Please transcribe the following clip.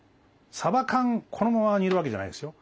さば缶このまま煮るわけじゃないですよ。